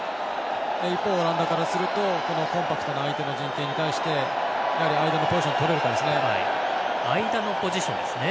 一方、オランダからするとコンパクトな相手の陣形に対して間のポジションをとれるかどうかですね。